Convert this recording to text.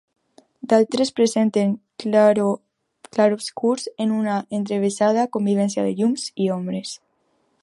D'altres presenten clarobscurs, en una enrevessada convivència de llums i ombres.